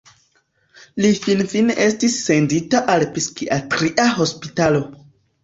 Li finfine estis sendita al psikiatria hospitalo.